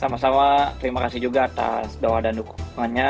sama sama terima kasih juga atas doa dan dukungannya